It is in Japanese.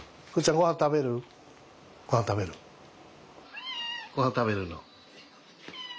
ごはん食べるの。